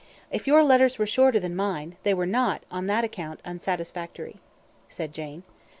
If your letters were shorter than mine, they were not, on that account, unsatisfactory," said Jane.